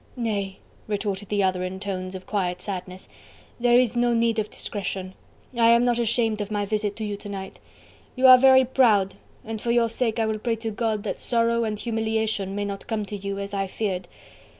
"Nay!" retorted the other in tones of quiet sadness, "there is no need of discretion... I am not ashamed of my visit to you to night.... You are very proud, and for your sake I will pray to God that sorrow and humiliation may not come to you, as I feared....